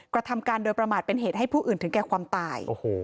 กระทำการโดยประมาทเป็นเหตุให้ผู้อื่นถึงแก่ความตาย